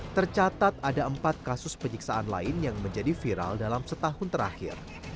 tercatat ada empat kasus penyiksaan lain yang menjadi viral dalam setahun terakhir